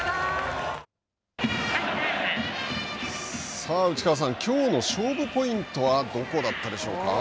さあ、内川さん、きょうの勝負ポイントは、どこだったでしょうか。